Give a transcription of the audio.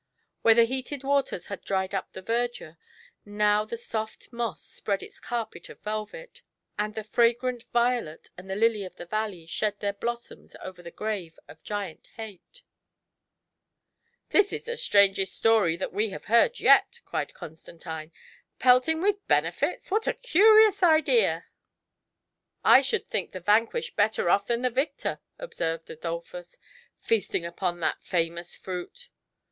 Where the heated waters had dried up the verdure, now the soft moss spread its carpet of velvet ; and the fragrant violet and the lily of the valley shed their blossoms over the grave of Giant Hate !" This is the strangest story that we have heard yet," cried Constantine ;" pelting with Benefits, what a curious idea !" GIANT HATE. 109 *' I should think the vanquished better oft* than the victor/' observed Adolphus, '' feasting upon that famous fruit."